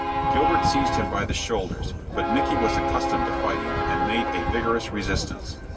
Gilbert seized him by the shoulders; but Micky was accustomed to fighting, and made a vigorous resistance.